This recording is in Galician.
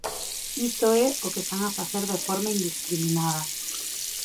Isto é o que están a facer de forma indiscriminada.